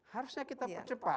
harusnya kita percepat